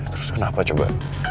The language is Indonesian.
terus kenapa coba